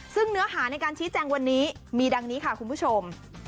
ซึ่งเนื้อหาในการชี้แจงวันนี้มีดังนี้ค่ะคุณผู้ชม